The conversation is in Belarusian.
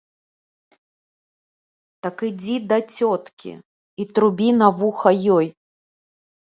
Так ідзі да цёткі і трубі на вуха ёй.